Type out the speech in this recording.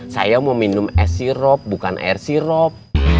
saya mau minum es sirup bukan air sirop